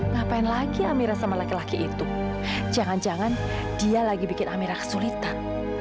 ngapain lagi amira sama laki laki itu jangan jangan dia lagi bikin amera kesulitan